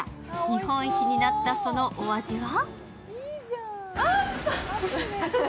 日本一になったそのお味は？